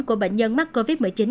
của bệnh nhân mắc covid một mươi chín